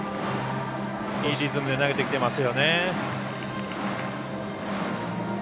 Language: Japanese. いいリズムで投げてきていますよね。